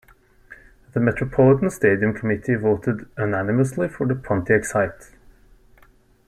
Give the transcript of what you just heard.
The Metropolitan Stadium Committee voted unanimously for the Pontiac site.